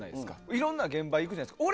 いろんな現場行くじゃないですか。